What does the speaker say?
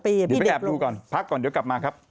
เดี๋ยวไปแอบดูก่อนพักก่อนเดี๋ยวกลับมาครับ